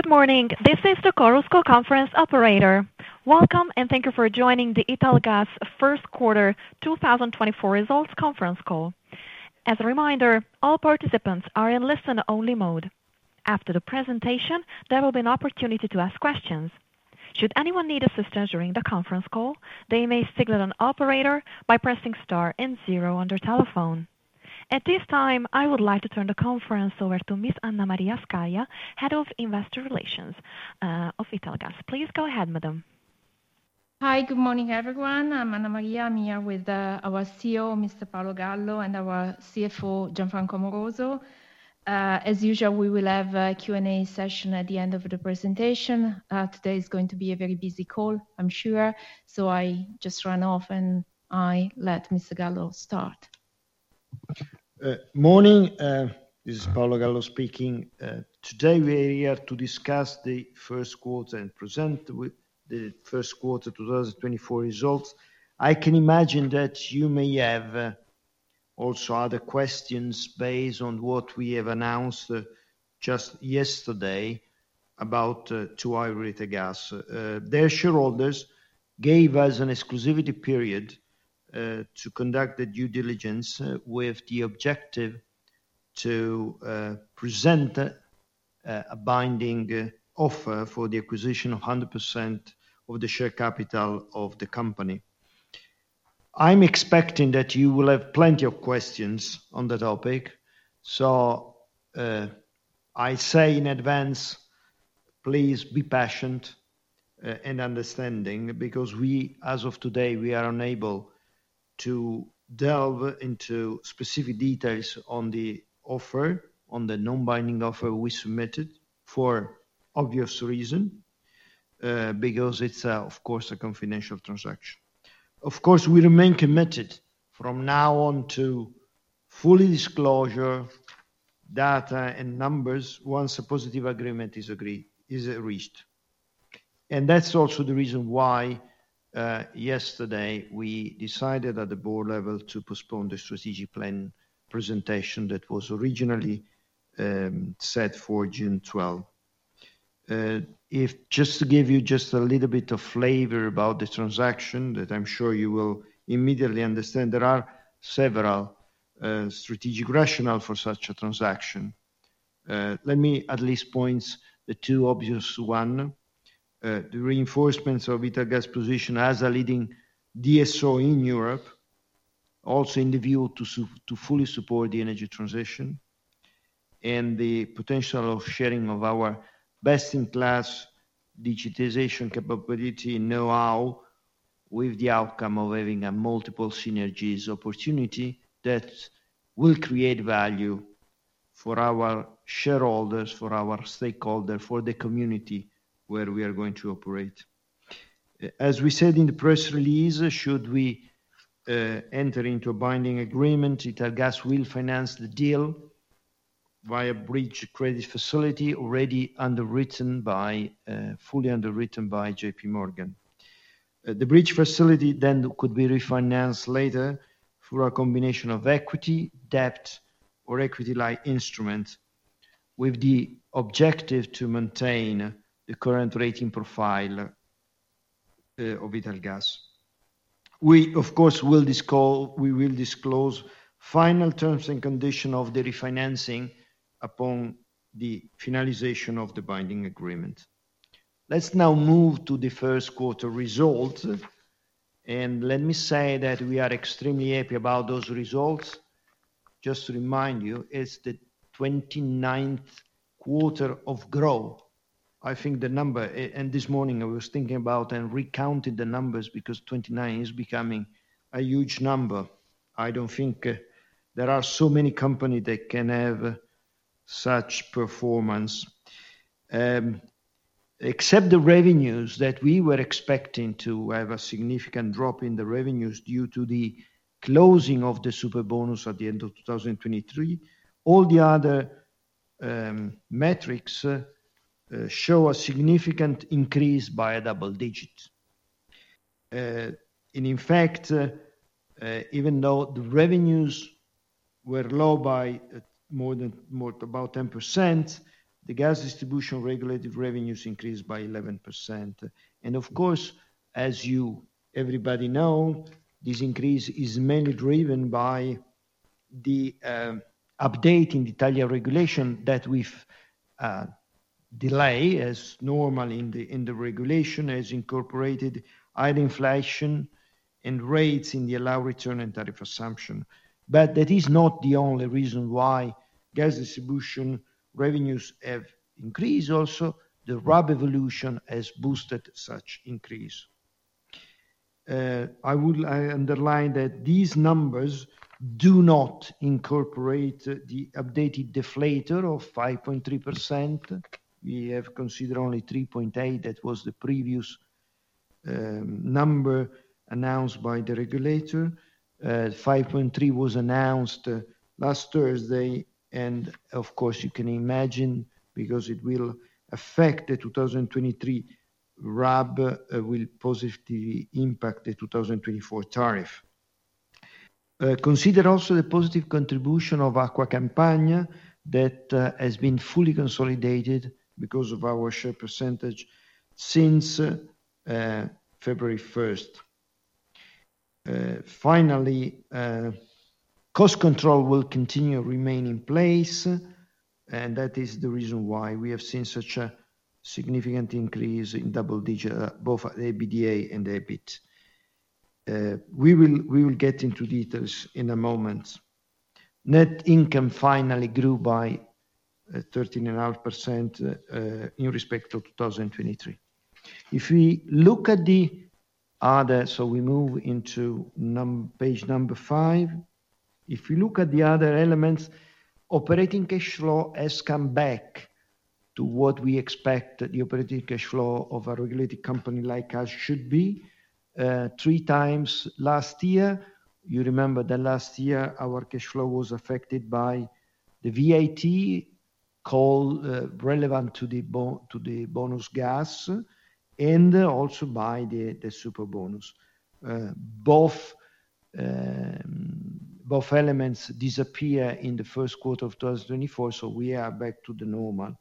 Good morning. This is the Chorus Call conference operator. Welcome, and thank you for joining the Italgas First Quarter 2024 Results Conference Call. As a reminder, all participants are in listen-only mode. After the presentation, there will be an opportunity to ask questions. Should anyone need assistance during the conference call, they may signal an operator by pressing star and zero on their telephone. At this time, I would like to turn the conference over to Miss Anna Maria Scaglia, Head of Investor Relations of Italgas. Please go ahead, madam. Hi. Good morning, everyone. I'm Anna Maria. I'm here with our CEO, Mr. Paolo Gallo, and our CFO, Gianfranco Amoroso. As usual, we will have a Q&A session at the end of the presentation. Today is going to be a very busy call, I'm sure. I just run off, and I let Mr. Gallo start. Morning, this is Paolo Gallo speaking. Today we are here to discuss the first quarter and present with the first quarter 2024 results. I can imagine that you may have also other questions based on what we have announced just yesterday about 2i Rete Gas. Their shareholders gave us an exclusivity period to conduct the due diligence with the objective to present a binding offer for the acquisition of 100% of the share capital of the company. I'm expecting that you will have plenty of questions on the topic. So, I say in advance, please be patient and understanding because we, as of today, we are unable to delve into specific details on the offer, on the non-binding offer we submitted, for obvious reason because it's of course a confidential transaction. Of course, we remain committed from now on to full disclosure data and numbers once a positive agreement is agreed, is reached. That's also the reason why yesterday we decided at the Board level to postpone the strategic plan presentation that was originally set for June 12. If just to give you just a little bit of flavor about the transaction that I'm sure you will immediately understand, there are several strategic rationale for such a transaction. Let me at least point the two obvious one. The reinforcements of Italgas position as a leading DSO in Europe, also in the view to to fully support the energy transition and the potential of sharing of our best-in-class digitization capability, know-how, with the outcome of having a multiple synergies opportunity that will create value for our shareholders, for our stakeholder, for the community where we are going to operate. As we said in the press release, should we enter into a binding agreement, Italgas will finance the deal via bridge credit facility already underwritten by, fully underwritten by JPMorgan. The bridge facility then could be refinanced later through a combination of equity, debt, or equity-like instrument, with the objective to maintain the current rating profile of Italgas. We, of course, will this call, we will disclose final terms and conditions of the refinancing upon the finalization of the binding agreement. Let's now move to the first quarter results, and let me say that we are extremely happy about those results. Just to remind you, it's the 29th quarter of growth. I think the number and this morning I was thinking about and recounted the numbers, because 29 is becoming a huge number. I don't think there are so many companies that can have such performance. Except the revenues that we were expecting to have a significant drop in the revenues due to the closing of the Superbonus at the end of 2023, all the other metrics show a significant increase by a double-digit. And in fact, even though the revenues were low by more than, more about 10%, the gas distribution regulated revenues increased by 11%. And of course, as everybody knows, this increase is mainly driven by the update in the Italian regulation that we've delayed, as normal in the regulation, has incorporated high inflation and rates in the allowed return and tariff assumption. But that is not the only reason why gas distribution revenues have increased. Also, the RAB evolution has boosted such increase. I would underline that these numbers do not incorporate the updated deflator of 5.3%. We have considered only 3.8%, that was the previous number announced by the regulator. 5.3% was announced last Thursday, and of course, you can imagine, because it will affect the 2023 RAB will positively impact the 2024 tariff. Consider also the positive contribution of Acqua Campania, that has been fully consolidated because of our share percentage since February 1st. Finally, cost control will continue to remain in place, and that is the reason why we have seen such a significant increase in double-digit both the EBITDA and the EBIT. We will get into details in a moment. Net income finally grew by 13.5% in respect to 2023. If we look at the other, so we move into page number five. If you look at the other elements, operating cash flow has come back to what we expect that the operating cash flow of a regulated company like us should be, 3x last year. You remember that last year, our cash flow was affected by the VAT call relevant to the bonus gas, and also by the Superbonus. Both elements disappear in the first quarter of 2024, so we are back to the normal.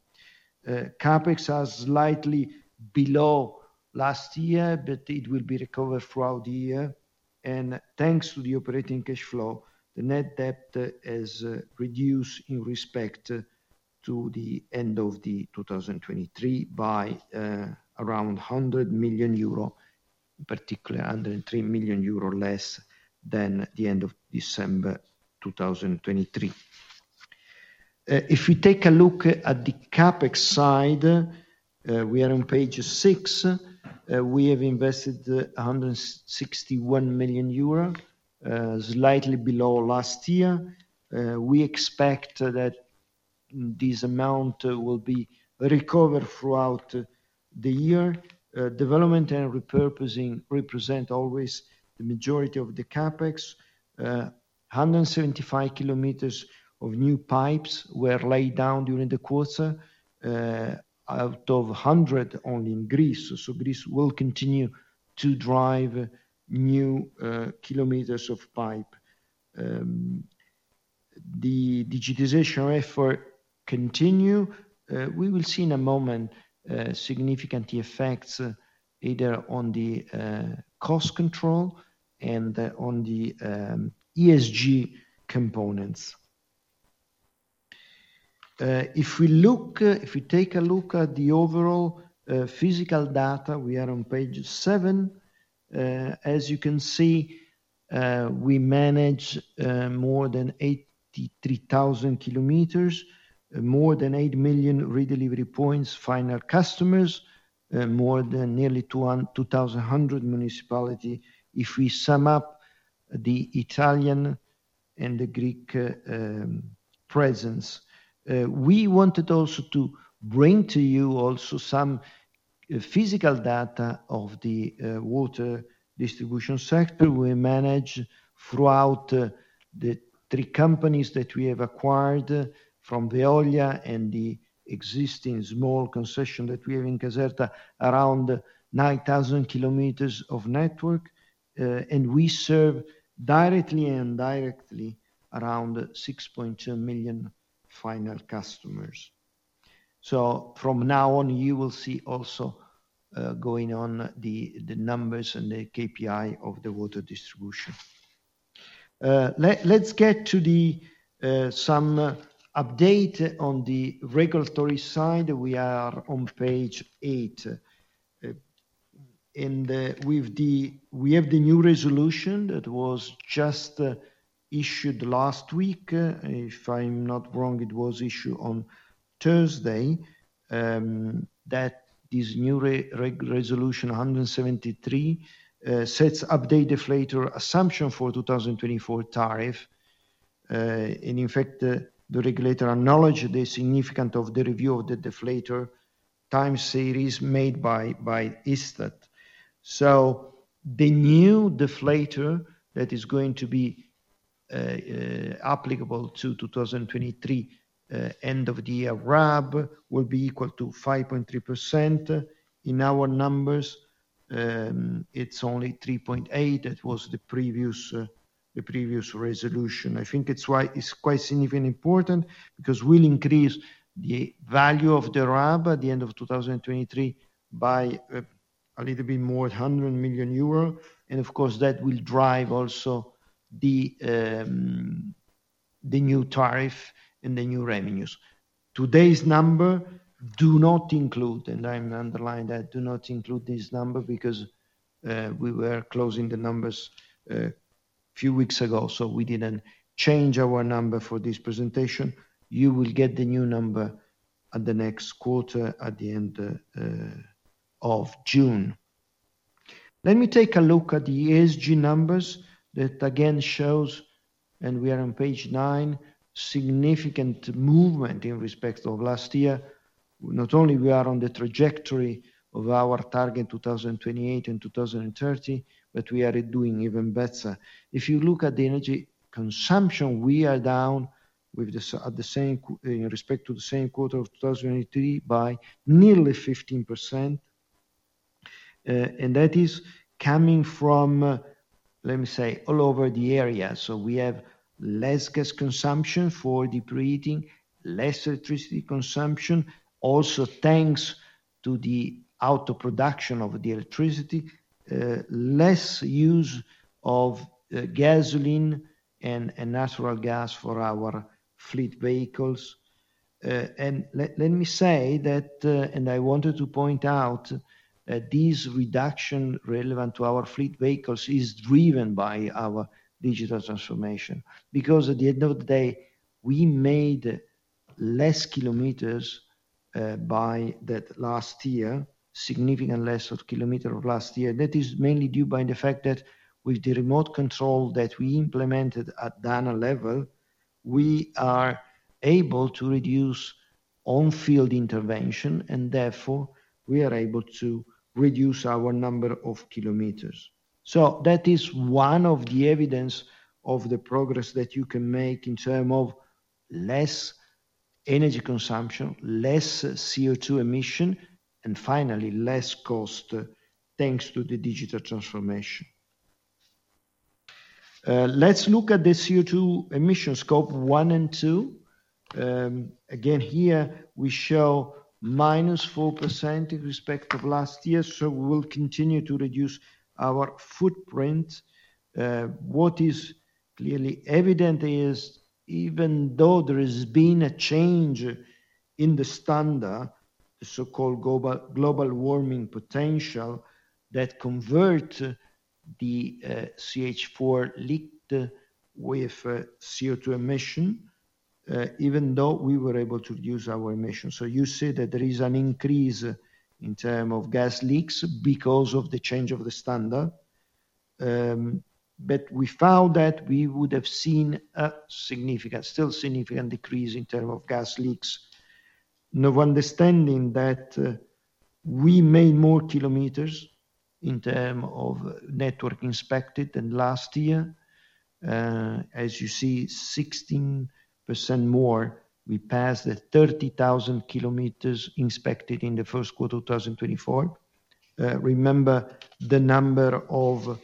CapEx are slightly below last year but it will be recovered throughout the year. And thanks to the operating cash flow, the net debt is reduced in respect to the end of 2023 by around 100 million euro, particularly 103 million euro less than the end of December 2023. If we take a look at the CapEx side, we are on page 6. We have invested 161 million euro, slightly below last year. We expect that this amount will be recovered throughout the year. Development and repurposing represent always the majority of the CapEx. 175 km of new pipes were laid down during the quarter, out of 100 km only in Greece. So Greece will continue to drive new kilometers of pipe. The digitization effort continue. We will see in a moment significant effects either on the cost control and on the ESG components. If we look, if we take a look at the overall physical data, we are on page seven. As you can see, we manage more than 83,000 km. More than 8 million redelivery points, final customers. More than nearly 2,100 municipalities, if we sum up the Italian and the Greek presence. We wanted also to bring to you also some physical data of the water distribution sector. We manage throughout the three companies that we have acquired from Veolia and the existing small concession that we have in Caserta, around 9,000 km of network, and we serve directly and indirectly around 6.2 million final customers. So from now on, you will see also going on the numbers and the KPI of the water distribution. Let's get to some update on the regulatory side. We are on page eight. We have the new resolution that was just issued last week. If I'm not wrong, it was issued on Thursday. That this new resolution 173 sets updated deflator assumption for 2024 tariff. And in fact, the regulator acknowledged the significance of the review of the deflator time series made by ISTAT. So the new deflator that is going to be applicable to 2023 end-of-the-year RAB will be equal to 5.3%. In our numbers, it's only 3.8%. That was the previous resolution. I think that's why it's quite significant, important, because we'll increase the value of the RAB at the end of 2023 by a little bit more than 100 million euro, and of course, that will drive also the new tariff and the new revenues. Today's number do not include, and I'm underlining that, do not include this number because we were closing the numbers few weeks ago, so we didn't change our number for this presentation. You will get the new number at the next quarter, at the end of June. Let me take a look at the ESG numbers. That again shows, and we are on page nine, significant movement in respect of last year. Not only we are on the trajectory of our target in 2028 and 2030, but we are doing even better. If you look at the energy consumption, we are down in respect to the same quarter of 2023, by nearly 15%. And that is coming from, let me say, all over the area. So we have less gas consumption for the preheating, less electricity consumption. Also thanks to the out of production of the electricity, less use of gasoline and natural gas for our fleet vehicles. And let me say that, and I wanted to point out that this reduction relevant to our fleet vehicles is driven by our digital transformation. Because at the end of the day, we made less kilometers by that last year, significant less of kilometer of last year. That is mainly due by the fact that with the remote control that we implemented at DANA level, we are able to reduce on-field intervention, and therefore, we are able to reduce our number of kilometers. So that is one of the evidence of the progress that you can make in term of less energy consumption, less CO₂ emission, and finally, less cost, thanks to the digital transformation. Let's look at the CO₂ emission, Scope 1 and 2. Again, here we show -4% in respect of last year, so we will continue to reduce our footprint. What is clearly evident is even though there has been a change in the standard, the so-called global warming potential, that convert the CH4 leaked with CO₂ emission, even though we were able to reduce our emissions. So you see that there is an increase in term of gas leaks because of the change of the standard. But we found that we would have seen a significant, still significant decrease in term of gas leaks. Now, understanding that, we made more kilometers in terms of network inspected than last year, as you see 16% more, we passed the 30,000 km inspected in the first quarter 2024. Remember, the number of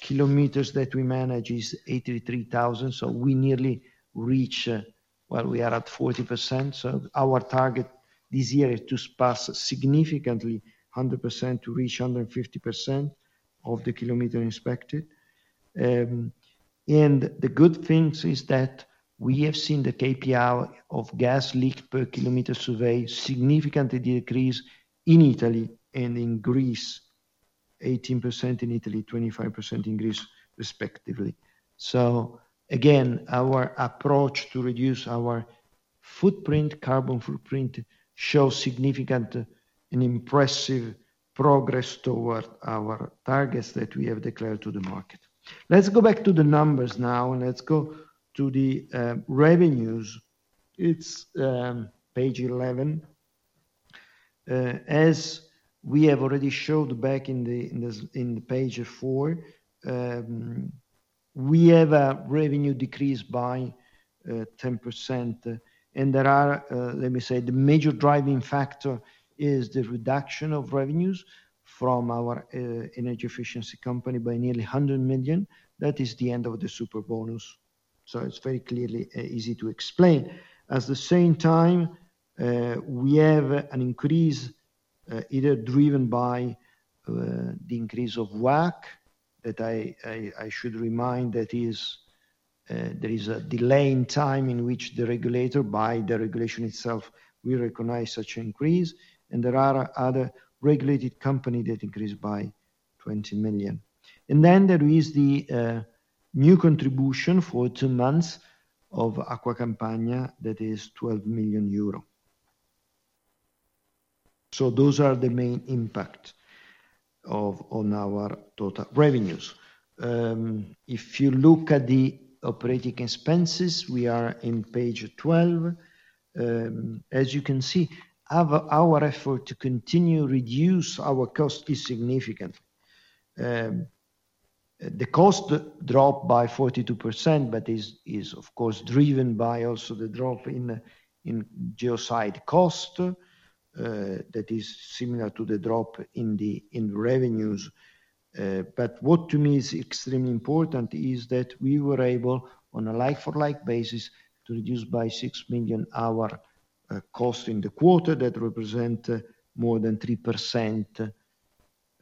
kilometers that we manage is 83,000 km. So we nearly reach, well, we are at 40%. So our target this year is to pass significantly 100% to reach 150% of the kilometer inspected. And the good thing is that we have seen the KPI of gas leaked per kilometer survey significantly decrease in Italy and in Greece. 18% in Italy, 25% in Greece, respectively. So again, our approach to reduce our footprint, carbon footprint shows significant and impressive progress toward our targets that we have declared to the market. Let's go back to the numbers now, and let's go to the revenues. It's page 11. As we have already showed back in the, in this, in page four, we have a revenue decrease by 10%, and there are, let me say, the major driving factor is the reduction of revenues from our energy efficiency company by nearly 100 million. That is the end of the Superbonus. So it's very clearly easy to explain. At the same time, we have an increase, either driven by the increase of WACC, that I should remind that is, there is a delay in time in which the regulator by the regulation itself will recognize such increase. And there are other regulated company that increased by 20 million. Then there is the new contribution for two months of Acqua Campania that is 12 million euro. So those are the main impact of, on our total revenues. If you look at the operating expenses, we are in page 12. As you can see, our effort to continue reduce our cost is significant. The cost dropped by 42%, but is of course driven by also the drop in Geoside cost, that is similar to the drop in the revenues. But what to me is extremely important is that we were able, on a like-for-like basis, to reduce by 6 million our cost in the quarter that represent more than 3%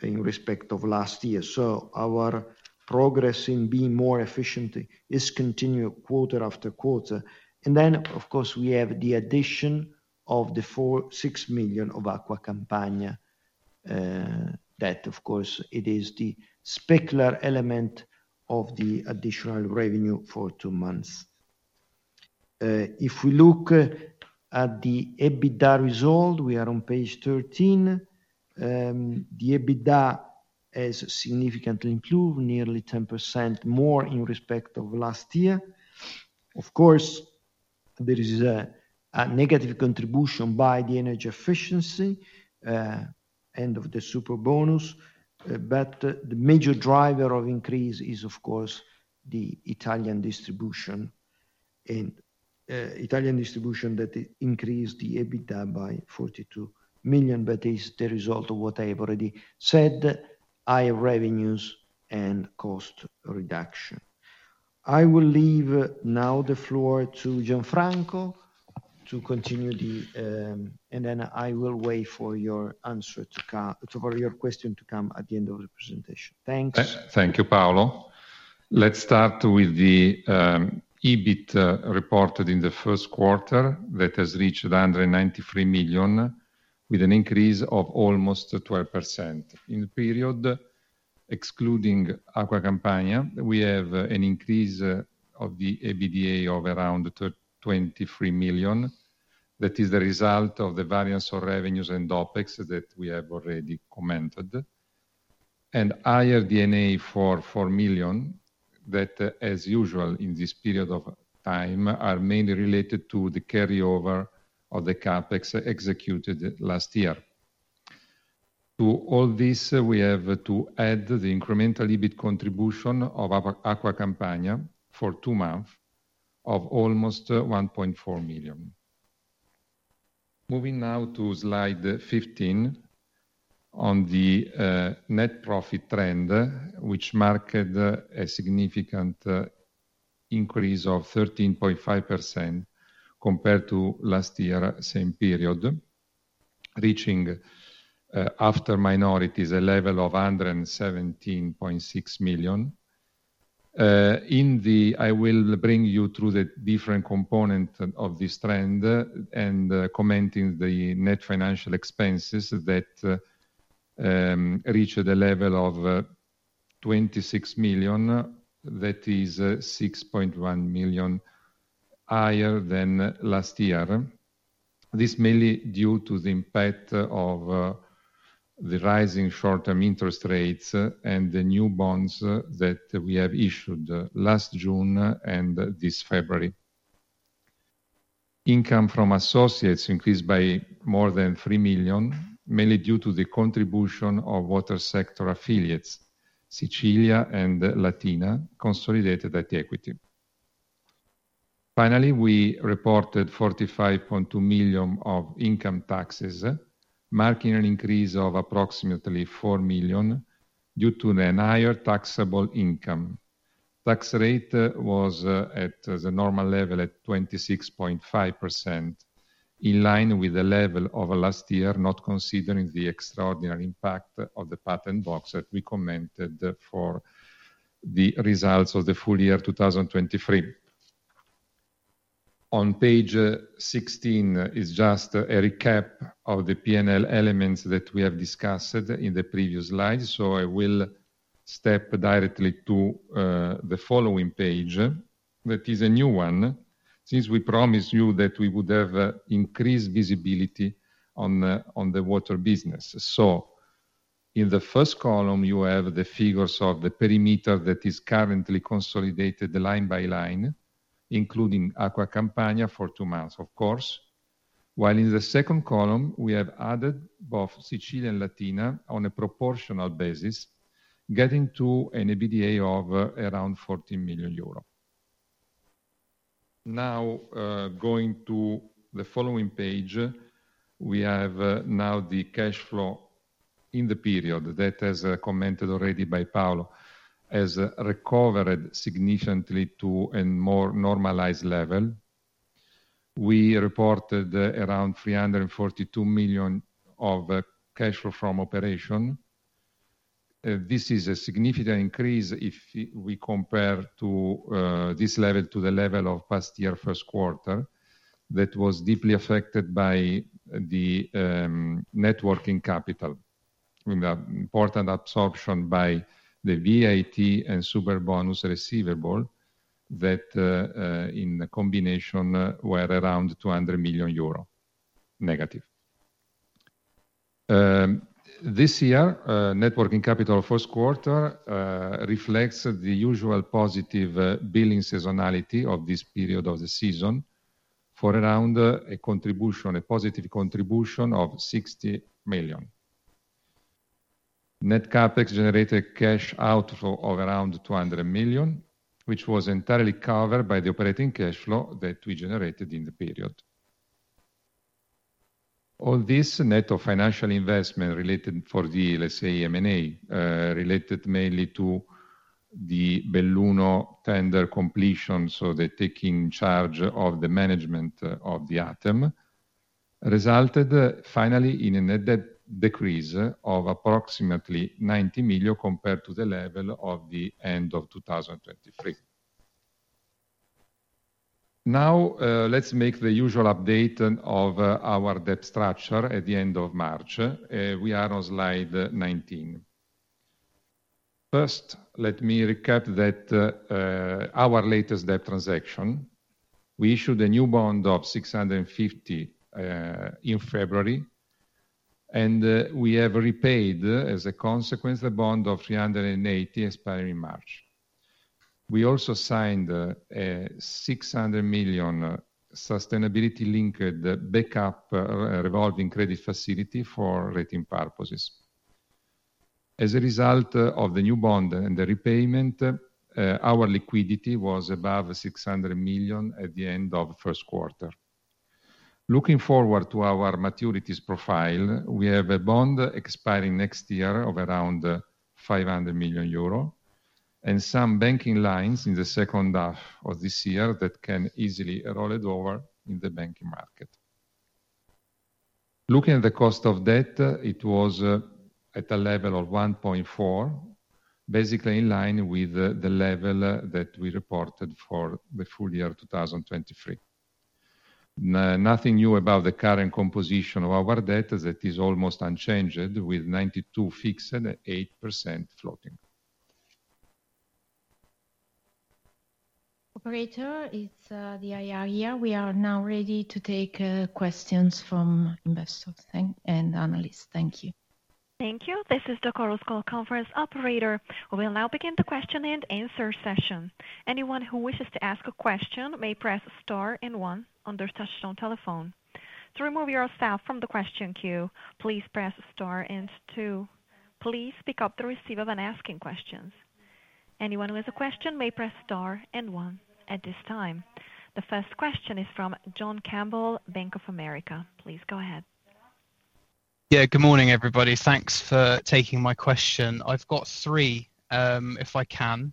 in respect of last year. So our progress in being more efficient is continue quarter-after-quarter. And then, of course, we have the addition of the 46 million of Acqua Campania, that of course, it is the specular element of the additional revenue for two months. If we look at the EBITDA result, we are on page 13. The EBITDA has significantly improved, nearly 10% more in respect of last year. Of course, there is a negative contribution by the energy efficiency end of the Superbonus, but the major driver of increase is, of course, the Italian distribution in Italian distribution that increased the EBITDA by 42 million. But is the result of what I have already said, higher revenues and cost reduction. I will leave now the floor to Gianfranco to continue the. And then I will wait for your answer to come for your question to come at the end of the presentation. Thank you, Paolo. Let's start with the EBIT reported in the first quarter, that has reached under 93 million, with an increase of almost 12%. In the period, excluding Acqua Campania, we have an increase of the EBITDA of around 23 million. That is the result of the variance of revenues and OpEx that we have already commented. And higher D&A for 4 million, that as usual, in this period of time, are mainly related to the carryover of the CapEx executed last year. To all this, we have to add the incremental EBIT contribution of Acqua Campania for two months of almost 1.4 million. Moving now to slide 15. On the net profit trend, which marked a significant increase of 13.5% compared to last year, same period, reaching, after minorities, a level of 117.6 million. I will bring you through the different component of this trend and commenting the net financial expenses that reach the level of 26 million, that is 6.1 million higher than last year. This mainly due to the impact of the rising short-term interest rates and the new bonds that we have issued last June and this February. Income from associates increased by more than 3 million, mainly due to the contribution of water sector affiliates, Sicilia and the Latina, consolidated at equity. Finally, we reported 45.2 million of income taxes, marking an increase of approximately 4 million due to the higher taxable income. Tax rate was at the normal level at 26.5%, in line with the level of last year, not considering the extraordinary impact of the Patent Box that we commented for the results of the full year of 2023. On page 16 is just a recap of the P&L elements that we have discussed in the previous slide, so I will step directly to the following page. That is a new one, since we promised you that we would have increased visibility on the water business. In the first column, you have the figures of the perimeter that is currently consolidated line by line, including Acqua Campania for two months, of course. While in the second column, we have added both Sicilia and Latina on a proportional basis, getting to an EBITDA of around 14 million euro. Now, going to the following page, we have now the cash flow in the period that as commented already by Paolo, has recovered significantly to a more normalized level. We reported around 342 million of cash flow from operations. This is a significant increase if we compare to this level to the level of past year first quarter, that was deeply affected by the net working capital, and the important absorption by the VAT and Superbonus receivable that in combination were around 200 million euro, negative. This year, net working capital first quarter reflects the usual positive, billing seasonality of this period of the season for around a contribution, a positive contribution of 60 million. Net CapEx generated cash outflow of around 200 million, which was entirely covered by the operating cash flow that we generated in the period. All this net of financial investment related for the, let's say, M&A, related mainly to the Belluno tender completion, so the taking charge of the management of the item, resulted finally in a net debt decrease of approximately 90 million compared to the level of the end of 2023. Now, let's make the usual update of our debt structure at the end of March. We are on slide 19. First, let me recap that, our latest debt transaction. We issued a new bond of 650 million in February. And we have repaid, as a consequence, the bond of 380 million expiring in March. We also signed a 600 million sustainability-linked backup revolving credit facility for rating purposes. As a result of the new bond and the repayment, our liquidity was above 600 million at the end of first quarter. Looking forward to our maturities profile, we have a bond expiring next year of around 500 million euro. And some banking lines in the second half of this year that can easily roll it over in the banking market. Looking at the cost of debt, it was at a level of 1.4%, basically in line with the level that we reported for the full year of 2023. Nothing new about the current composition of our debt as it is almost unchanged with 92% fixed and 8% floating. Operator, it's the IR here. We are now ready to take questions from investors and analysts. Thank you. Thank you. This is the Chorus Call conference operator. We will now begin the question and answer session. Anyone who wishes to ask a question may press star and one on their touchtone telephone. To remove yourself from the question queue, please press star and two. Please pick up the receiver when asking questions. Anyone who has a question may press star and one at this time. The first question is from John Campbell, Bank of America. Please go ahead. Yeah. Good morning, everybody. Thanks for taking my question. I've got three, if I can.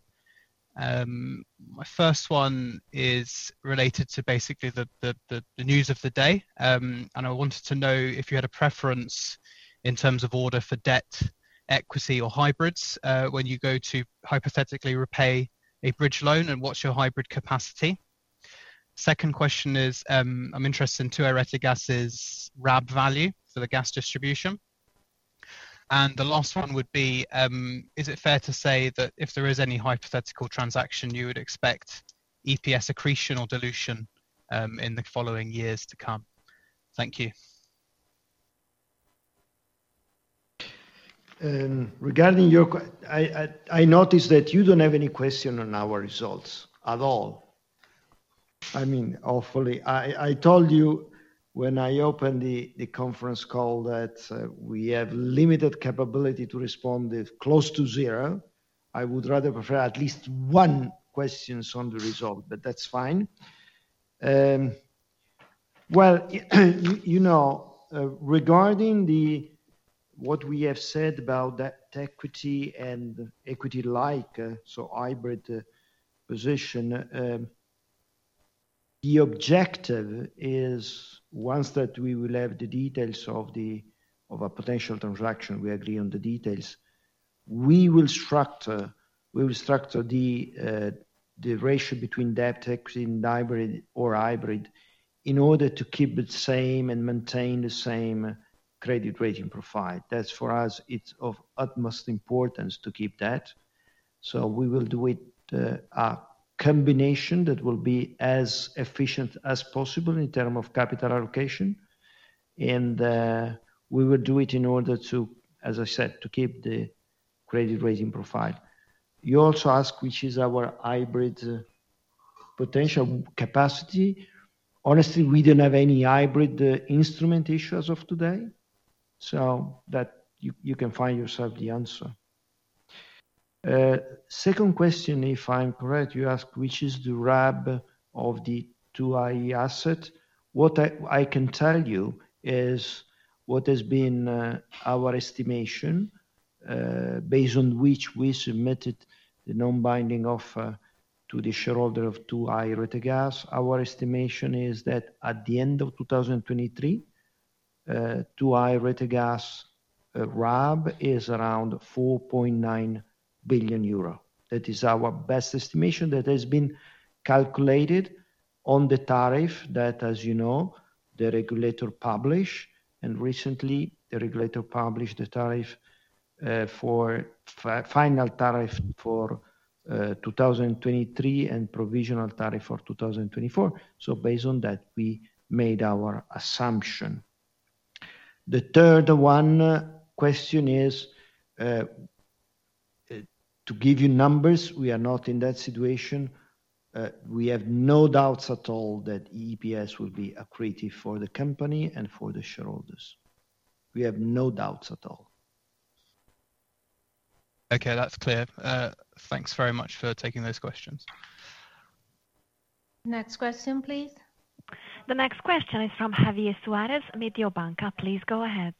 My first one is related to basically the news of the day, and I wanted to know if you had a preference in terms of order for debt, equity or hybrids, when you go to hypothetically repay a bridge loan, and what's your hybrid capacity? Second question is, I'm interested in 2i Rete Gas's RAB value, so the gas distribution. And the last one would be, is it fair to say that if there is any hypothetical transaction, you would expect EPS accretion or dilution in the following years to come? Thank you. Regarding your question, I notice that you don't have any question on our results at all. I mean, actually, I told you when I opened the conference call that we have limited capability to respond, with close to zero. I would rather prefer at least one questions on the result but that's fine. Well, you know, regarding what we have said about debt equity and equity-like, so hybrid position, the objective is once that we will have the details of the of a potential transaction, we agree on the details, we will structure the ratio between debt equity and hybrid or hybrid in order to keep it the same and maintain the same credit rating profile. That's for us. It's of utmost importance to keep that. So we will do it, a combination that will be as efficient as possible in terms of capital allocation. We will do it in order to, as I said, to keep the credit rating profile. You also ask, which is our hybrid potential capacity? Honestly, we didn't have any hybrid instrument issues as of today, so that you, you can find yourself the answer. Second question, if I'm correct, you ask which is the RAB of the 2i asset? What I, I can tell you is what has been our estimation, based on which we submitted the non-binding offer to the shareholder of 2i Rete Gas. Our estimation is that at the end of 2023, 2i Rete Gas RAB is around 4.9 billion euro. That is our best estimation that has been calculated on the tariff that, as you know, the regulator published. And recently the regulator published the tariff for final tariff for 2023 and provisional tariff for 2024. So based on that, we made our assumption. The third one question is to give you numbers, we are not in that situation. We have no doubts at all that EPS will be accreted for the company and for the shareholders. We have no doubts at all. Okay, that's clear. Thanks very much for taking those questions. Next question, please. The next question is from Javier Suárez, Mediobanca. Please go ahead.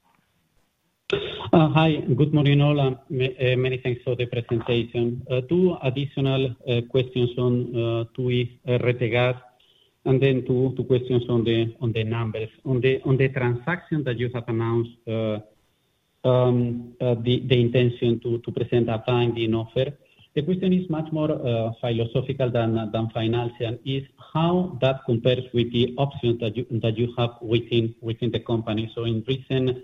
Hi. Good morning, all, many thanks for the presentation. Two additional questions on 2i Rete Gas, and then two questions on the numbers. On the transaction that you have announced, the intention to present a binding offer. The question is much more philosophical than financial is how that compares with the options that you have within the company. So in recent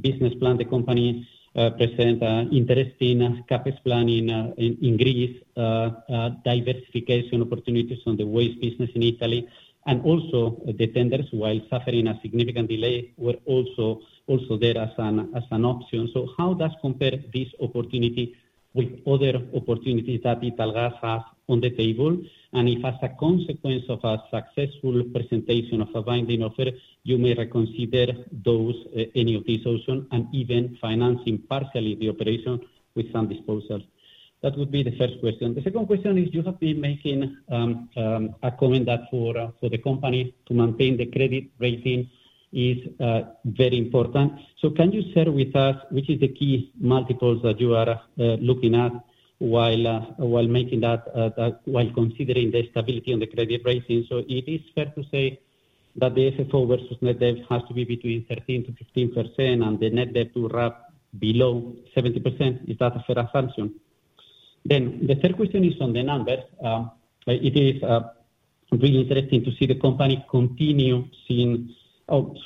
business plan, the company present interest in CapEx planning in Greece diversification opportunities on the waste business in Italy. And also the tenders, while suffering a significant delay, were also there as an option. So how does compare this opportunity with other opportunities that Italgas has on the table? And if as a consequence of a successful presentation of a binding offer, you may reconsider those any of these option and even financing partially the operation with some disposals. That would be the first question. The second question is, you have been making a comment that for, for the company to maintain the credit rating is very important. So can you share with us, which is the key multiples that you are looking at, while, while making that, while considering the stability on the credit rating? So it is fair to say that the FFO versus net debt has to be between 13%-15%, and the net debt to RAB below 70%. Is that a fair assumption? Then the third question is on the numbers. It is really interesting to see the company continue seeing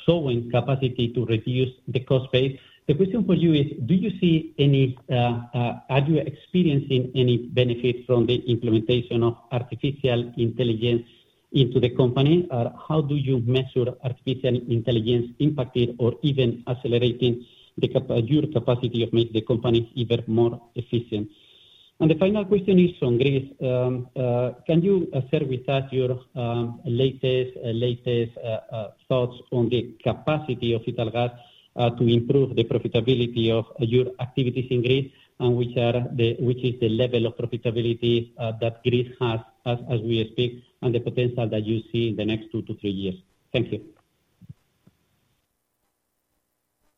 showing capacity to reduce the cost base. The question for you is, do you see any, are you experiencing any benefits from the implementation of artificial intelligence into the company? Or how do you measure artificial intelligence impacting or even accelerating your capacity of making the company even more efficient? And the final question is on Greece. Can you share with us your latest thoughts on the capacity of Italgas to improve the profitability of your activities in Greece? And which are the, which is the level of profitability that Greece has, as we speak, and the potential that you see in the next two to three years? Thank you.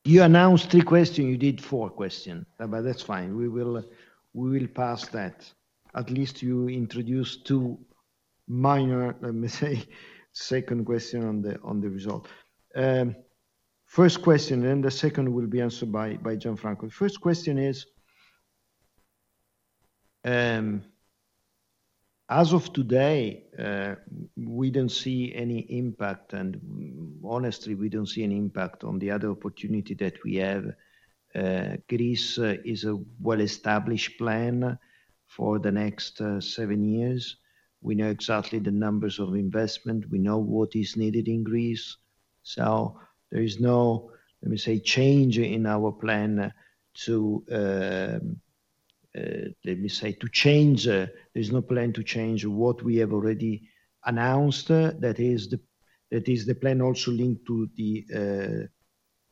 You announced three questions, you did four questions. But that's fine. We will, we will pass that. At least you introduced two minor, let me say, second questions on the, on the results. First question, then the second will be answered by, by Gianfranco. First question is, as of today we don't see any impact, and honestly, we don't see any impact on the other opportunity that we have. Greece is a well-established plan for the next seven years. We know exactly the numbers of investment. We know what is needed in Greece, so there is no, let me say, change in our plan to change. There's no plan to change what we have already announced. That is the plan also linked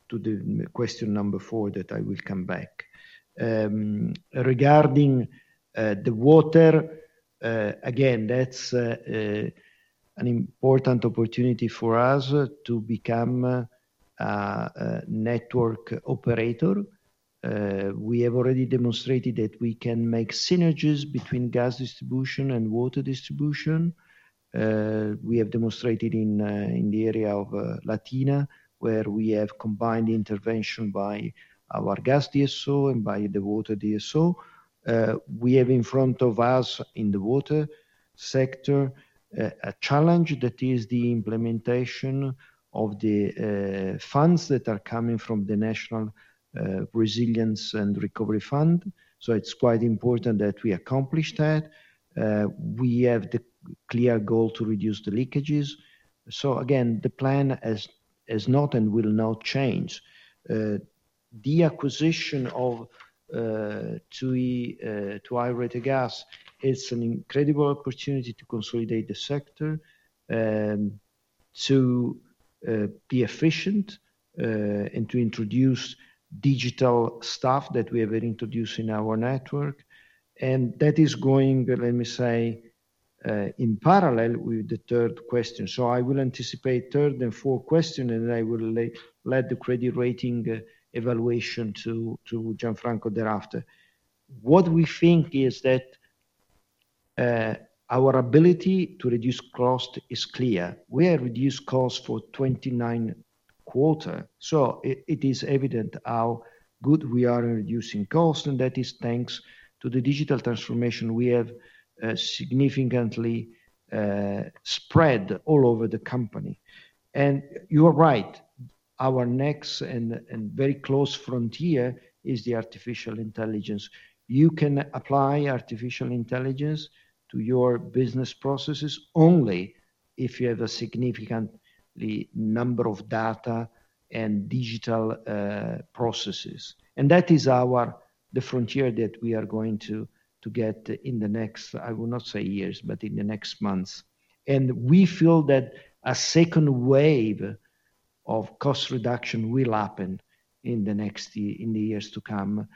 to the question number four, that I will come back. Regarding the water, again, that's an important opportunity for us to become a network operator. We have already demonstrated that we can make synergies between gas distribution and water distribution. We have demonstrated in the area of Latina, where we have combined intervention by our gas DSO and by the water DSO. We have in front of us, in the water sector, a challenge that is the implementation of the funds that are coming from the National Resilience and Recovery Fund, so it's quite important that we accomplish that. We have the clear goal to reduce the leakages. So again, the plan has not and will not change. The acquisition of 2i Rete Gas is an incredible opportunity to consolidate the sector and to be efficient, and to introduce digital stuff that we have been introduced in our network. And that is going, let me say, in parallel with the third question. So I will anticipate third and fourth question, and I will let the credit rating evaluation to Gianfranco thereafter. What we think is that our ability to reduce cost is clear. We have reduced costs for 29 quarter, so it is evident how good we are in reducing cost, and that is thanks to the digital transformation we have significantly spread all over the company. And you are right, our next and very close frontier is the artificial intelligence. You can apply artificial intelligence to your business processes only if you have a significant number of data and digital processes. And that is our frontier that we are going to get in the next. I will not say years but in the next months. And we feel that a second wave of cost reduction will happen in the next years to come,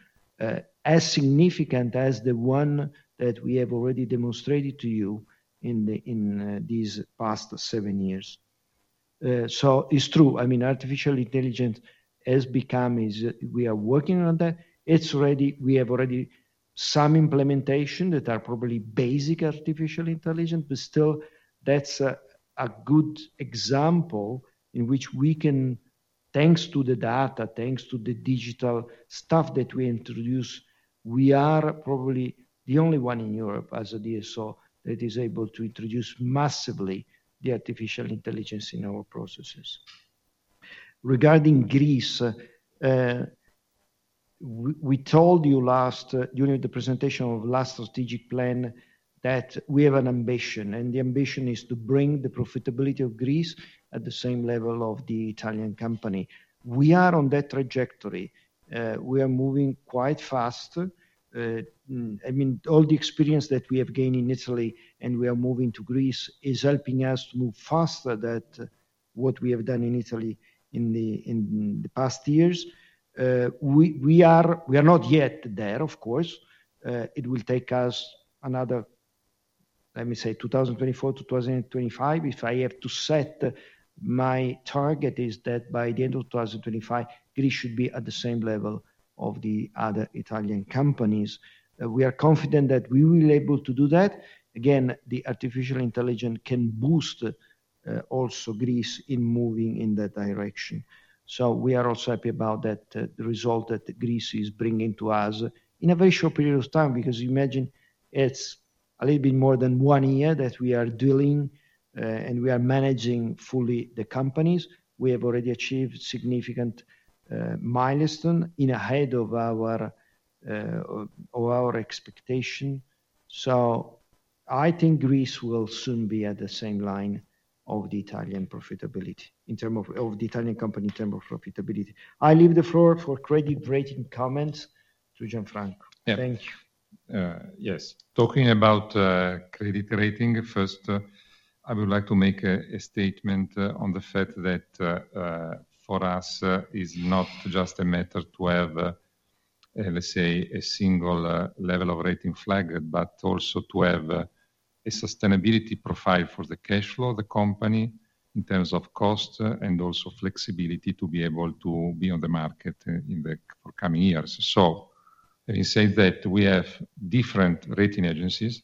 as significant as the one that we have already demonstrated to you in these past seven years. So it's true. I mean, artificial intelligence has become. We are working on that. It's ready. We have already some implementation that are probably basic artificial intelligence, but still, that's a good example in which we can, thanks to the data, thanks to the digital stuff that we introduce, we are probably the only one in Europe, as a DSO, that is able to introduce massively the artificial intelligence in our processes. Regarding Greece, we told you last during the presentation of last strategic plan, that we have an ambition. And the ambition is to bring the profitability of Greece at the same level of the Italian company. We are on that trajectory. We are moving quite fast. I mean, all the experience that we have gained in Italy and we are moving to Greece is helping us to move faster than what we have done in Italy in the past years. We are not yet there, of course. It will take us another, let me say, 2024-2025. If I have to set my target, is that by the end of 2025, Greece should be at the same level of the other Italian companies. We are confident that we will able to do that. Again, the artificial intelligence can boost also Greece in moving in that direction. So we are also happy about that, the result that Greece is bringing to us in a very short period of time. Because imagine it's a little bit more than one year that we are dealing, and we are managing fully the companies. We have already achieved significant milestone ahead of our expectation. So I think Greece will soon be at the same line of the Italian profitability, in terms of the Italian company, in terms of profitability. I leave the floor for credit rating comments to Gianfranco. Yeah. Thank you. Yes. Talking about credit rating, first, I would like to make a statement on the fact that for us is not just a matter to have, let's say, a single level of rating flag. But also to have a sustainability profile for the cash flow of the company in terms of cost and also flexibility to be able to be on the market in the upcoming years. So let me say that we have different rating agencies.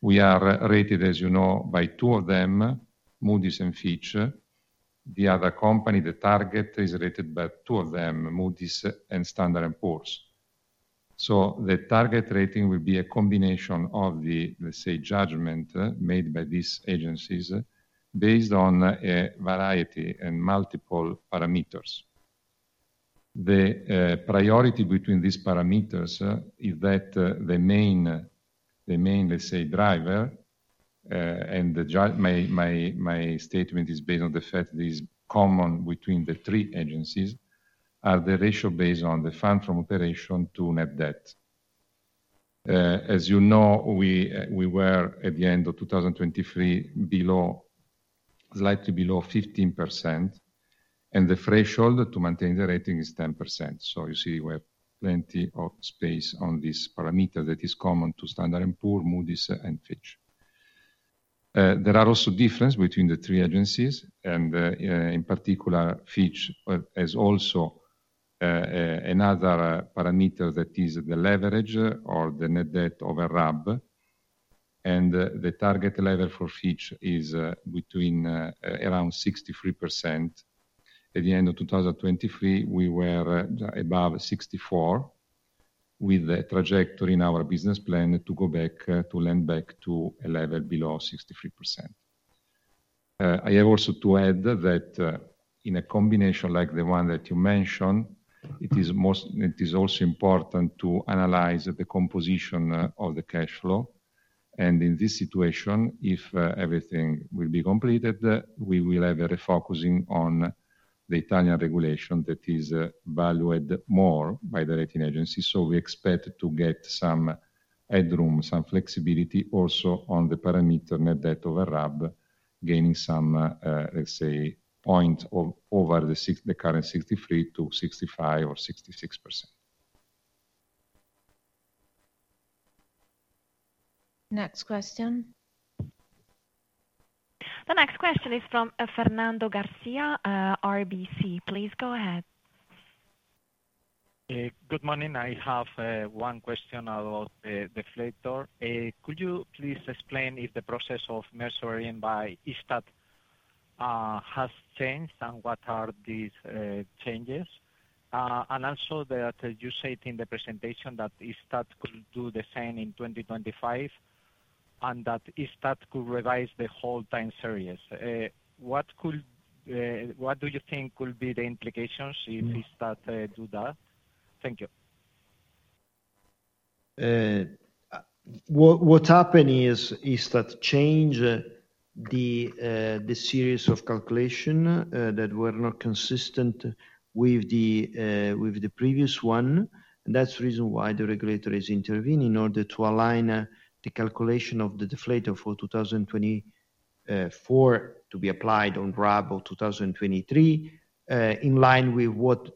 We are rated, as you know, by two of them, Moody's and Fitch. The other company, the target is rated by two of them, Moody's and Standard & Poor's. So the target rating will be a combination of the, let's say, judgment made by these agencies based on a variety and multiple parameters. The priority between these parameters is that the main, let's say, driver and my statement is based on the fact it is common between the three agencies, are the ratio based on the Funds From Operations to net debt. As you know, we were, at the end of 2023, below, slightly below 15%, and the threshold to maintain the rating is 10%. So you see, we have plenty of space on this parameter that is common to Standard & Poor's, Moody's, and Fitch. There are also difference between the three agencies, and in particular, Fitch has also another parameter that is the leverage or the net debt over RAB. And the target level for Fitch is between around 63%. At the end of 2023, we were above 64%, with the trajectory in our business plan to go back to land back to a level below 63%. I have also to add that in a combination like the one that you mentioned, it is also important to analyze the composition of the cash flow. And in this situation, if everything will be completed, we will have a refocusing on the Italian regulation that is valued more by the rating agency. So we expect to get some headroom, some flexibility also on the parameter net debt over RAB, gaining some, let's say, points over the current 63%-65% or 66%. Next question. The next question is from Fernando Garcia, RBC. Please go ahead. Good morning. I have one question about the deflator. Could you please explain if the process of measuring by ISTAT has changed, and what are these changes? And also that you said in the presentation that ISTAT could do the same in 2025, and that ISTAT could revise the whole time series. What could, what do you think could be the implications if ISTAT do that? Thank you. What happened is ISTAT changed the series of calculation that were not consistent with the previous one. And that's the reason why the regulator is intervening in order to align the calculation of the deflator for 2024 to be applied on RAB of 2023 in line with what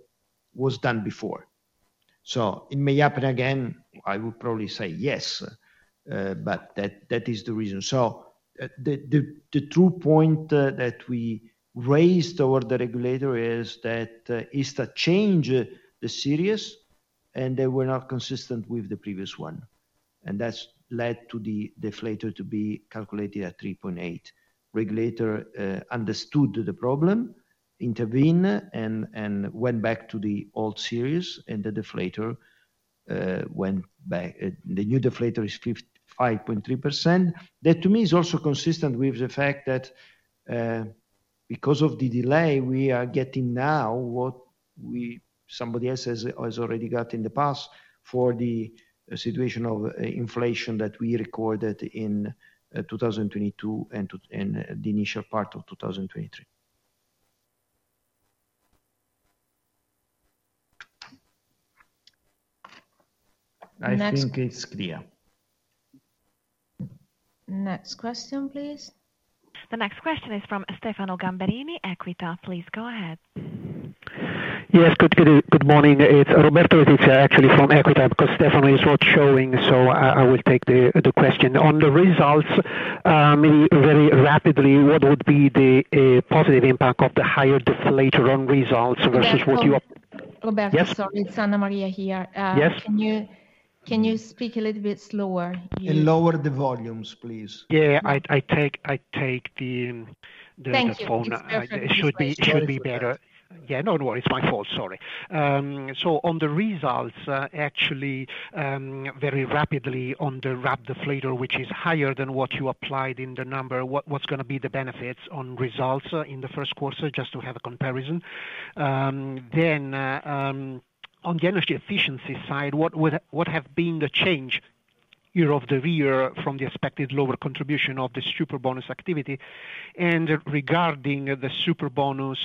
was done before. So it may happen again? I would probably say yes, but that is the reason. So the two point that we raised over the regulator is that ISTAT changed the series and they were not consistent with the previous one, and that's led to the deflator to be calculated at 3.8%. Regulator understood the problem, intervened, and went back to the old series, and the deflator went back. The new deflator is 5.3%. That to me is also consistent with the fact that, because of the delay, we are getting now what somebody else has already got in the past for the situation of inflation that we recorded in 2022 and the initial part of 2023. Next- I think it's clear. Next question, please. The next question is from Stefano Gamberini, Equita. Please go ahead. Yes, good morning. It's Roberto Letizia, actually from Equita, because Stefano is not showing, so I will take the question. On the results, maybe very rapidly, what would be the positive impact of the higher deflator on results versus what you- Roberto, sorry, it's Anna Maria here. Yes. Can you, can you speak a little bit slower? Lower the volumes, please. Yeah, I take the phone. Thank you. It should be, should be better. Yeah, no worry. It's my fault. Sorry. So on the results, actually, very rapidly on the RAB deflator, which is higher than what you applied in the number, what's gonna be the benefits on results in the first quarter, just to have a comparison? Then, on the energy efficiency side, what would—what have been the change year-over-year from the expected lower contribution of the Superbonus activity? And regarding the Superbonus,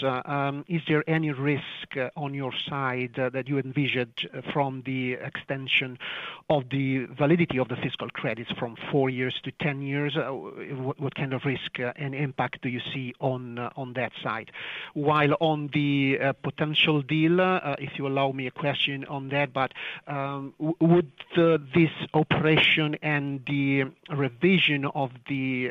is there any risk on your side that you envisioned from the extension of the validity of the fiscal credits from four years to 10 years? What kind of risk and impact do you see on that side? While on the potential deal, if you allow me a question on that, but would this operation and the revision of the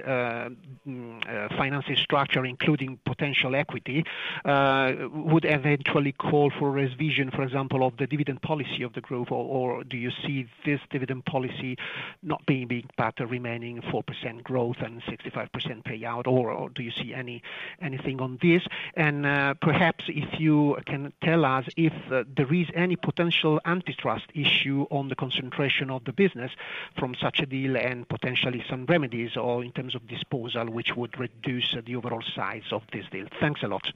financial structure, including potential equity, would eventually call for revision, for example, of the dividend policy of the group? Or do you see this dividend policy not being part of remaining 4% growth and 65% payout, or do you see anything on this? And perhaps if you can tell us if there is any potential antitrust issue on the concentration of the business from such a deal and potentially some remedies or in terms of disposal which would reduce the overall size of this deal. Thanks a lot.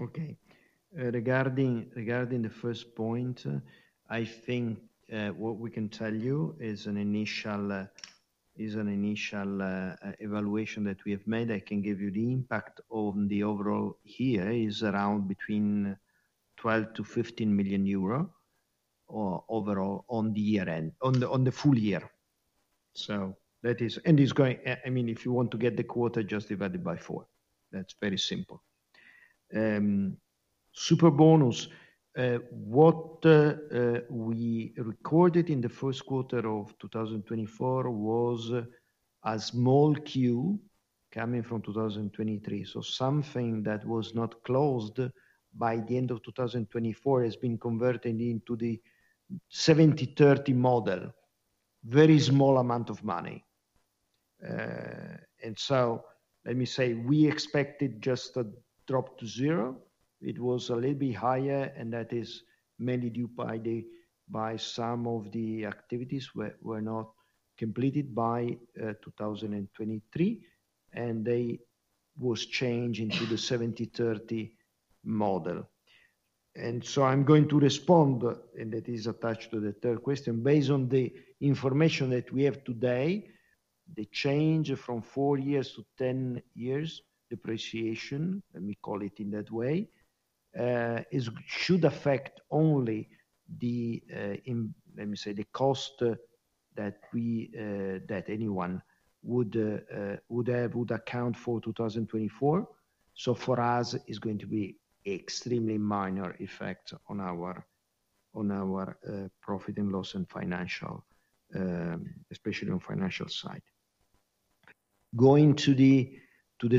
Okay. Regarding the first point, I think what we can tell you is an initial evaluation that we have made. I can give you the impact on the overall here is around between 12 million-15 million euro overall on the year-end, on the full year. So that is. And it's going, I mean, if you want to get the quarter, just divide it by four. That's very simple. Superbonus, what we recorded in the first quarter of 2024 was a small Q coming from 2023. So something that was not closed by the end of 2024 has been converted into the 70/30 model. Very small amount of money. And so let me say, we expected just a drop to zero. It was a little bit higher, and that is mainly due by the, by some of the activities were, were not completed by 2023, and they was changed into the 70/30 model. And so I'm going to respond, and that is attached to the third question. Based on the information that we have today, the change from four years to 10 years depreciation, let me call it in that way, is-- should affect only the, im-- let me say, the cost that we, that anyone would, would account for 2024. So for us, it's going to be extremely minor effect on our, on our, profit and loss and financial, especially on financial side. Going to the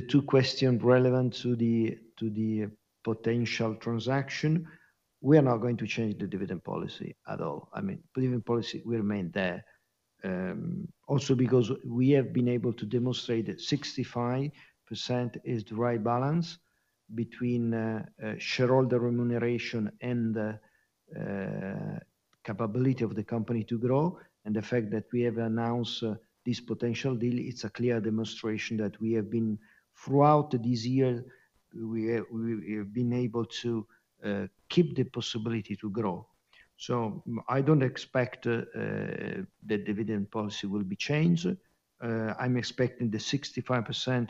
two questions relevant to the potential transaction, we are not going to change the dividend policy at all. I mean, dividend policy will remain there, also because we have been able to demonstrate that 65% is the right balance between shareholder remuneration and the capability of the company to grow, and the fact that we have announced this potential deal, it's a clear demonstration that we have been throughout this year. We've been able to keep the possibility to grow. So I don't expect the dividend policy will be changed. I'm expecting the 65%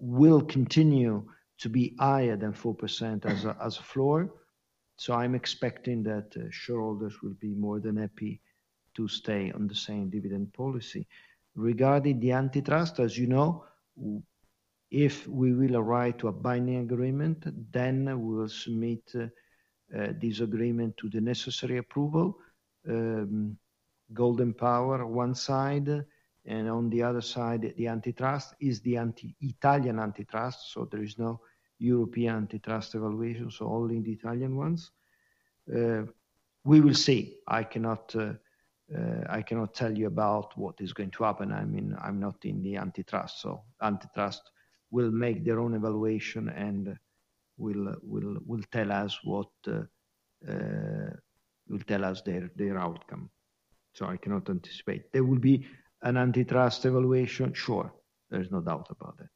will continue to be higher than 4% as a floor. So I'm expecting that shareholders will be more than happy to stay on the same dividend policy. Regarding the antitrust, as you know, if we will arrive to a binding agreement then we will submit this agreement to the necessary approval. Golden Power, one side, and on the other side, the antitrust, is the Italian antitrust, so there is no European antitrust evaluation, so only the Italian ones. We will see. I cannot tell you about what is going to happen. I mean, I'm not in the antitrust. So antitrust will make their own evaluation and will tell us what will tell us their outcome. So I cannot anticipate. There will be an antitrust evaluation? Sure, there is no doubt about that.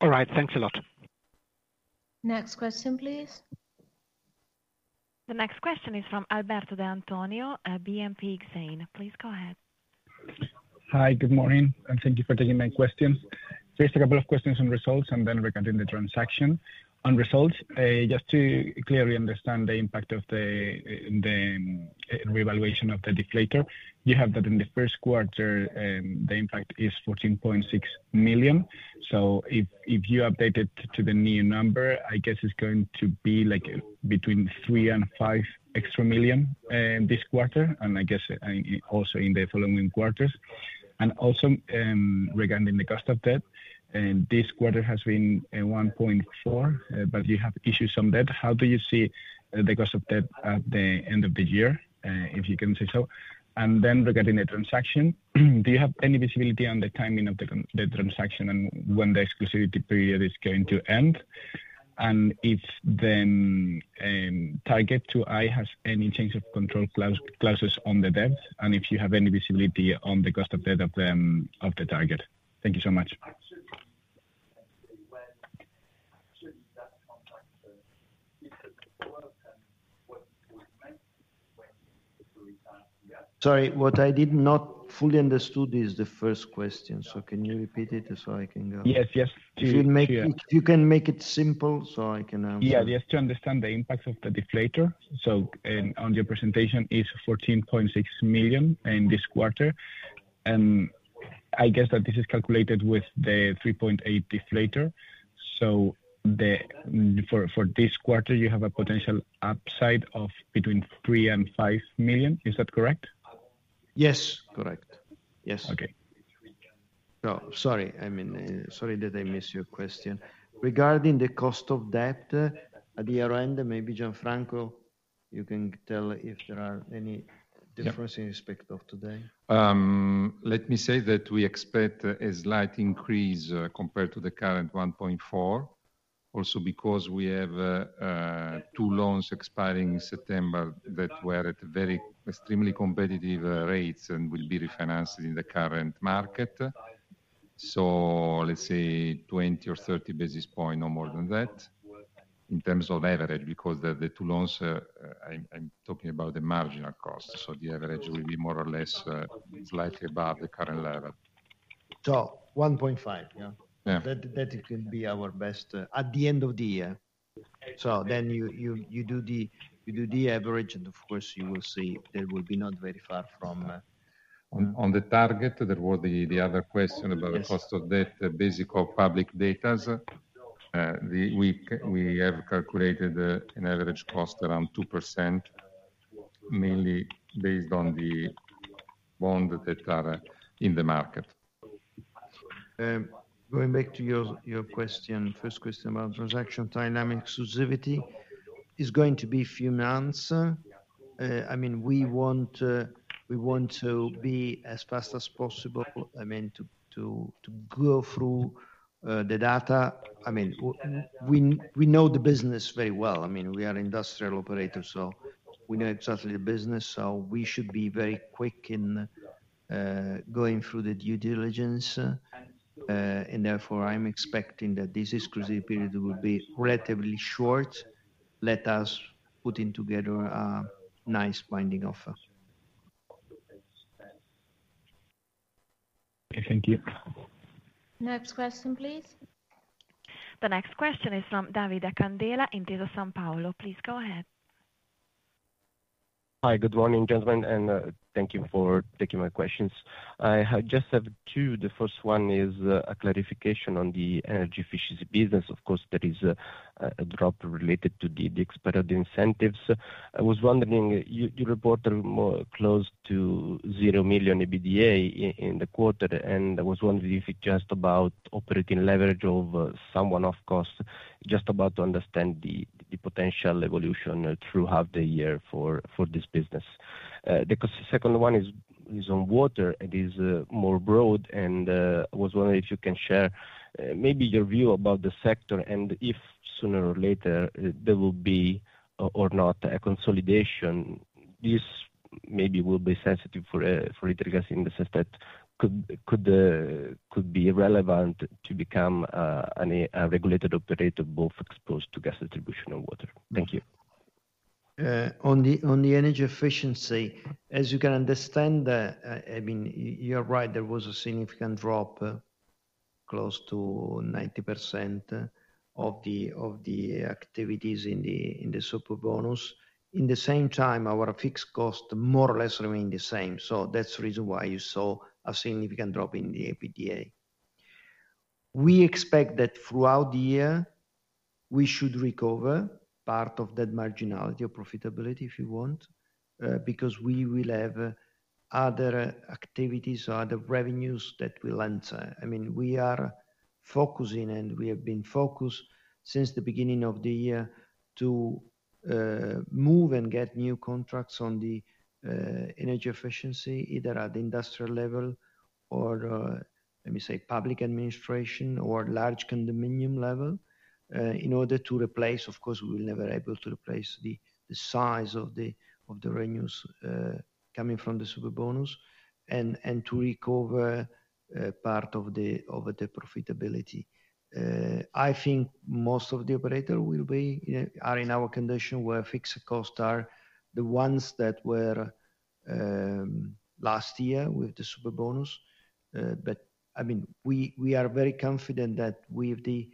All right. Thanks a lot. Next question, please. The next question is from Alberto De Antonio at BNP Exane. Please go ahead. Hi, good morning, and thank you for taking my questions. First, a couple of questions on results, and then regarding the transaction. On results, just to clearly understand the impact of the revaluation of the deflator, you have that in the first quarter, the impact is 14.6 million. So if you update it to the new number, I guess it's going to be like between 3 million and 5 extra million this quarter, and I guess also in the following quarters. And also regarding the cost of debt, and this quarter has been 1.4%, but you have issued some debt. How do you see the cost of debt at the end of the year, if you can say so? And then regarding the transaction, do you have any visibility on the timing of the transaction and when the exclusivity period is going to end? And if then, target 2i has any change of control clauses on the debt, and if you have any visibility on the cost of debt of the target. Thank you so much. Actually when, [actually that contract welcome]. Sorry, what I did not fully understood is the first question. So can you repeat it so I can- Yes, yes. To make it, if you can make it simple, so I can... Yeah, just to understand the impact of the deflator. So, on your presentation is 14.6 million in this quarter, and I guess that this is calculated with the 3.8% deflator. So, for this quarter, you have a potential upside of between 3 million and 5 million. Is that correct? Yes, correct. Yes. Okay. No, sorry. I mean, sorry that I missed your question. Regarding the cost of debt, at the year end, maybe Gianfranco, you can tell if there are any differences in respect of today. Let me say that we expect a slight increase, compared to the current 1.4%. Also, because we have two loans expiring in September that were at very extremely competitive rates and will be refinanced in the current market. So let's say 20 basis points-30 basis points no more than that, in terms of average because the two loans, I'm talking about the marginal cost, so the average will be more or less slightly above the current level. 1.5%, yeah? Yeah. That it will be our best at the end of the year. So then you do the average, and of course, you will see that will be not very far from... On the target, there was the other question about- Yes. The cost of debt based on public data. We, we have calculated an average cost around 2%, mainly based on the bonds that are in the market. Going back to your, your question, first question about transaction timing exclusivity is going to be few months. I mean, we want to be as fast as possible, I mean, to go through the data. I mean, we know the business very well. I mean, we are industrial operators, so we know exactly the business, so we should be very quick in going through the due diligence. And therefore, I'm expecting that this exclusive period will be relatively short, let us putting together a nice binding offer. Okay, thank you. Next question, please. The next question is from Davide Candela, Intesa Sanpaolo. Please go ahead. Hi, good morning, gentlemen, and thank you for taking my questions. I have just two. The first one is a clarification on the energy efficiency business. Of course, there is a drop related to the expired incentives. I was wondering, you reported close to 0 million EBITDA in the quarter, and I was wondering if it's just about operating leverage over some one-off costs, just about to understand the potential evolution throughout the year for this business. The second one is on water, it is more broad, and I was wondering if you can share maybe your view about the sector and if sooner or later there will be or not a consolidation. This maybe will be sensitive for Italgas in the sense that could be relevant to become a regulated operator, both exposed to gas distribution and water. Thank you. On the energy efficiency, as you can understand, I mean, you're right, there was a significant drop, close to 90% of the activities in the Superbonus. In the same time, our fixed cost more or less remain the same. So that's the reason why you saw a significant drop in the EBITDA. We expect that throughout the year, we should recover part of that marginality or profitability if you want, because we will have other activities or other revenues that will enter. I mean, we are focusing and we have been focused since the beginning of the year to move and get new contracts on the energy efficiency, either at industrial level or, let me say, public administration or large condominium level. In order to replace, of course, we will never able to replace the, the size of the, of the revenues, coming from the Superbonus. And and to recover part of the profitability. I think most of the operator will be, are in our condition where fixed costs are the ones that were, last year with the Superbonus. But I mean, we, we are very confident that with the,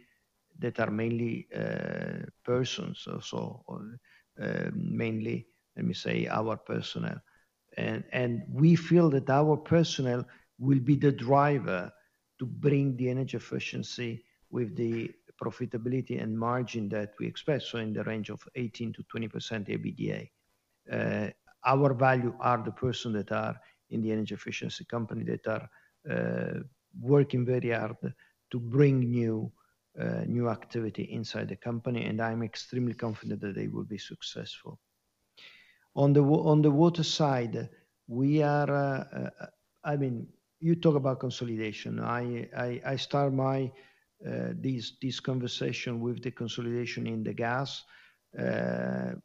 that are mainly, persons, so, mainly, let me say, our personnel. And, and we feel that our personnel will be the driver to bring the energy efficiency with the profitability and margin that we expect, so in the range of 18%-20% EBITDA. Our value are the person that are in the energy efficiency company, that are working very hard to bring new new activity inside the company. And I'm extremely confident that they will be successful. On the water side, we are. I mean, you talk about consolidation. I start my this conversation with the consolidation in the gas.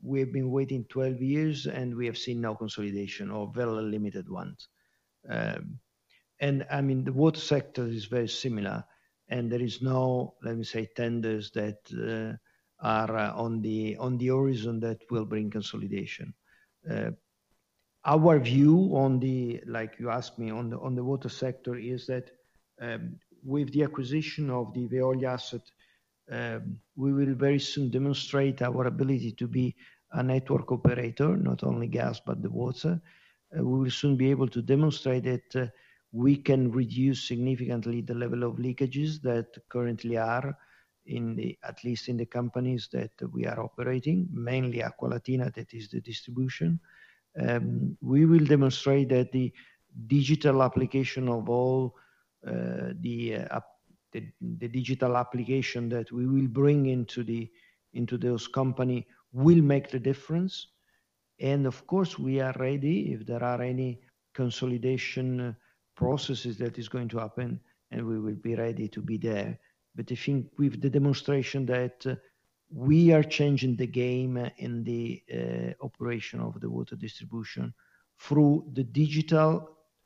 We've been waiting 12 years, and we have seen no consolidation or very limited ones. And I mean, the water sector is very similar, and there is no, let me say, tenders that are on the horizon that will bring consolidation. Our view on the, like you asked me on the water sector, is that, with the acquisition of the Veolia asset, we will very soon demonstrate our ability to be a network operator, not only gas, but the water. We will soon be able to demonstrate that, we can reduce significantly the level of leakages that currently are in the, at least in the companies that we are operating, mainly Acqualatina that is the distribution. We will demonstrate that the digital application of all, the digital application that we will bring into the, into those company will make the difference. And of course, we are ready if there are any consolidation processes that is going to happen, and we will be ready to be there. But I think with the demonstration that we are changing the game in the operation of the water distribution through the digital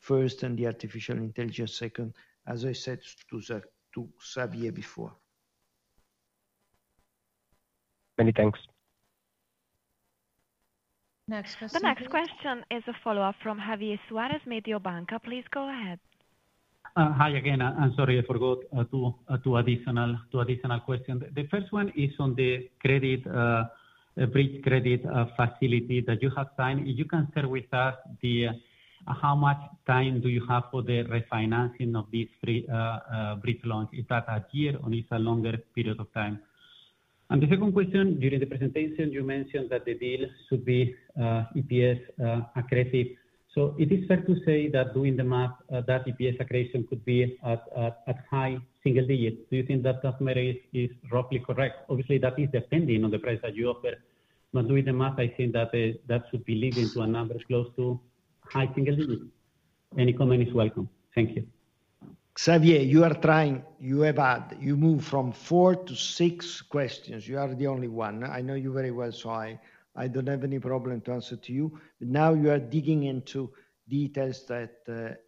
first and the artificial intelligence second, as I said to Javier before. Many thanks. Next question, please. The next question is a follow-up from Javier Suárez, Mediobanca. Please go ahead. Hi again. I'm sorry, I forgot two additional questions. The first one is on the bridge credit facility that you have signed. Can you share with us how much time you have for the refinancing of these three bridge loans? Is that a year or it's a longer period of time? And the second question: during the presentation, you mentioned that the deal should be EPS accretive. So it is fair to say that doing the math, that EPS accretion could be at high single digits. Do you think that number is roughly correct? Obviously, that is depending on the price that you offer. But doing the math, I think that that should be leading to a number close to high single digits. Any comment is welcome. Thank you. Javier, you are trying, you have had you moved from four to six questions. You are the only one. I know you very well, so I, I don't have any problem to answer to you. Now, you are digging into details that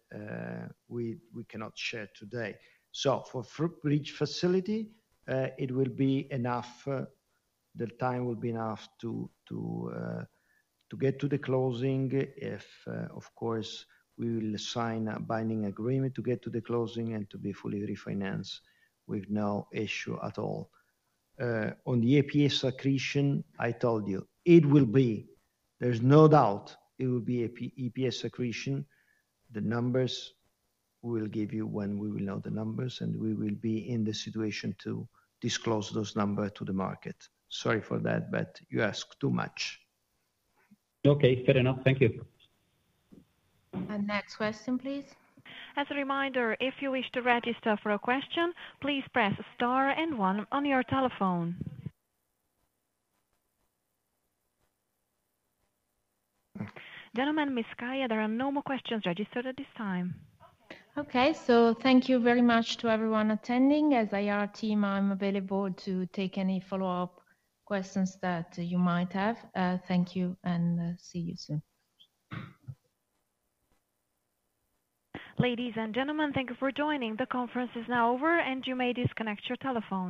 we, we cannot share today. So for, for bridge facility, it will be enough... The time will be enough to, to, to get to the closing, if, of course, we will sign a binding agreement to get to the closing and to be fully refinanced with no issue at all. On the EPS accretion, I told you, it will be, there's no doubt it will be EPS accretion. The numbers we will give you when we will know the numbers, and we will be in the situation to disclose those numbers to the market. Sorry for that, but you ask too much. Okay, fair enough. Thank you. Next question, please. As a reminder, if you wish to register for a question, please press star and one on your telephone. Gentlemen, Ms. Scaglia, there are no more questions registered at this time. Okay, so thank you very much to everyone attending. As IR team, I'm available to take any follow-up questions that you might have. Thank you, and see you soon. Ladies and gentlemen, thank you for joining. The conference is now over, and you may disconnect your telephone.